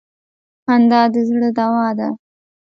خندا د زړه دوا ده.